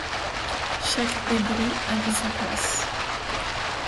Chaque débris avait sa place.